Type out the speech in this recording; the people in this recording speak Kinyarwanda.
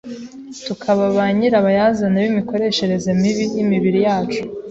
tukaba ba nyirabayazana b’imikoreshereze mibi y’imibiri yacu